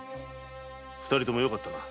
二人ともよかったな。